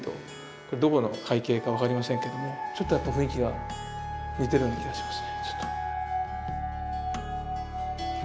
これどこの海景か分かりませんけどもちょっとやっぱ雰囲気が似てるような気がしますね。